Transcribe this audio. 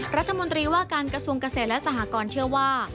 รัฐมนตรีว่าการกระทรวงเกษตรและสหกรเชื่อว่า